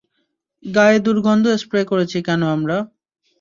গায়ে দুর্গন্ধ স্প্রে করেছি কেন আমরা?